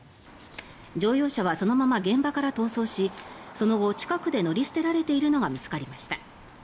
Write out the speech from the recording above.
乗用車はそのまま現場から逃走しその後近くで乗り捨てられているのが見つかりました。